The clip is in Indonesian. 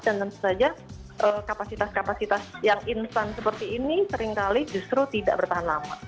dan tentu saja kapasitas kapasitas yang instan seperti ini seringkali justru tidak bertahan lama